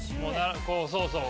そうそう。